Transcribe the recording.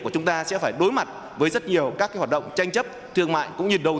của chúng ta sẽ phải đối mặt với rất nhiều các hoạt động tranh chấp thương mại cũng như đầu